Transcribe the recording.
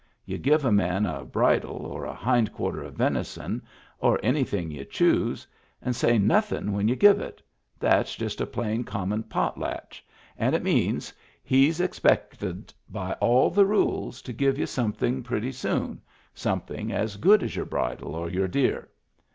You give a man a bridle, or a hindquarter of venison, or anything y'u choose, and say nothin' when y'u give it — that's just a plain common potlatch^ and it means he's ex Digitized by Google 240 MEMBERS OF THE FAMILY pected by all the rules to give you something pretty soon, something as good as your bridle or your deer.